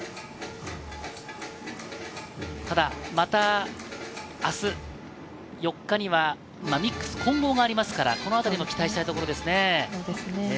ただ、また明日、４日にはミックス混合がありますから、このあたりも期待したいところですね。